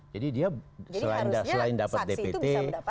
jadi dia selain dapat dpt